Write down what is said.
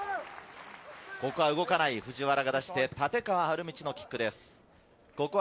ここは動かない、藤原が出して、立川理道のキックです。